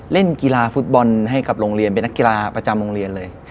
เล่นกีฬาฟุตบอลให้กับโรงเรียนเป็นนักกีฬาประจำโรงเรียนเลย